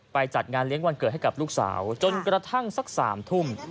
จัดงานเลี้ยงวันเกิดให้กับลูกสาวจนกระทั่งสัก๓ทุ่ม